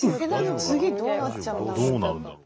次どうなっちゃうんだろう？